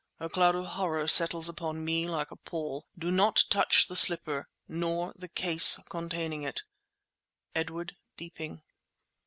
A cloud of horror settles upon me like a pall. Do not touch the slipper, nor the case containing it. EDWARD DEEPING.